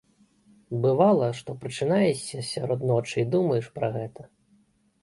Бывала, што прачынаешся сярод ночы і думаеш пра гэта.